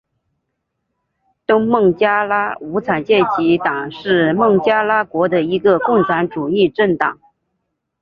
东孟加拉无产阶级党是孟加拉国的一个共产主义政党。